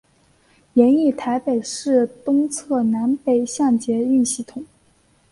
研议台北市东侧南北向捷运系统。